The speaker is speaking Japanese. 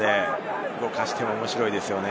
動かしても面白いですよね。